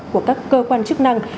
của các cơ quan chức năng